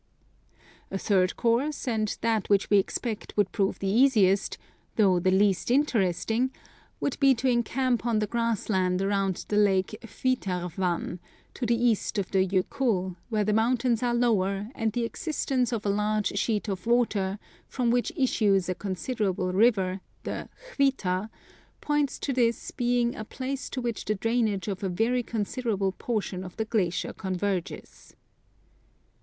A third course, and that which we expect would prove the easiest, though the least interesting, would be to encamp on Curiosities of Olden Times the grass land round the lake Hvitarvatn, to the east of the Jokull, where the mountains are lower, and the existence of a large sheet of water, from which issues a considerable river — the HvitA — points to this being a place to which the drainage of a very considerable portion of the glacier converges.